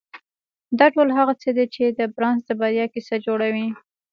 دا ټول هغه څه دي چې د بارنس د بريا کيسه جوړوي.